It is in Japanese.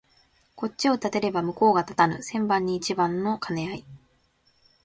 こっちを立てれば向こうが立たぬ千番に一番の兼合い